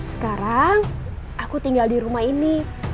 sekarang aku tinggal di rumah ini